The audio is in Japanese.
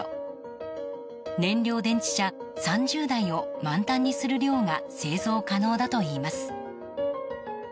燃料電池車３０台を満タンにする量が製造可能だといいます。